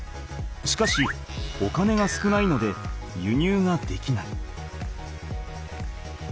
しかしお金が少ないので輸入ができない。